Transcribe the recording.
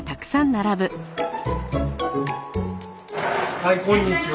はいこんにちは。